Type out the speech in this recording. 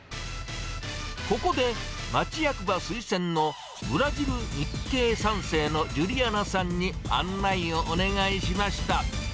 ここで町役場すいせんのブラジル日系３世のジュリアナさんに案内をお願いしました。